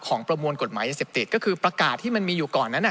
ประมวลกฎหมายยาเสพติดก็คือประกาศที่มันมีอยู่ก่อนนั้น